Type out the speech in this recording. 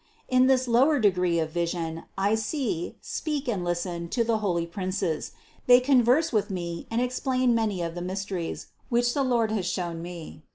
In this lower degree of vision I see, speak and listen to the holy princes ; they converse with me and explain many of the mysteries, which the Lord has shown me.